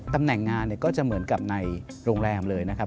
ตำแหน่งงานเนี่ยก็จะเหมือนกับในโรงแรมเลยนะครับ